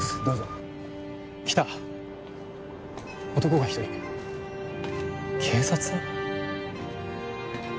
どうぞ来た男が一人警察？